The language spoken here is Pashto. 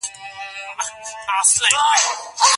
ايا مسلمانان د ښځي د امان ملاتړ ته مکلف دي؟